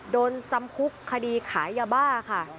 จำคุกคดีขายยาบ้าค่ะ